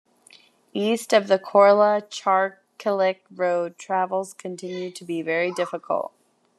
East of the Korla-Charkilik road travel continues to be very difficult.